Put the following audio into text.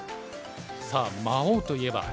さあ「魔王」といえば？